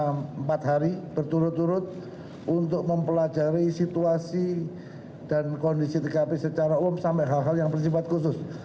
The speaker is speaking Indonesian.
selama empat hari berturut turut untuk mempelajari situasi dan kondisi tkp secara umum sampai hal hal yang bersifat khusus